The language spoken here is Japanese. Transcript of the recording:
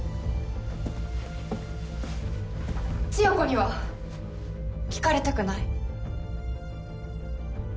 千世子には聞かれたくない。